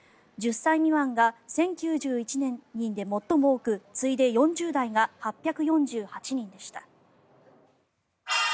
１０歳未満が１０９１人で最も多く次いで４０代が８４８人でした。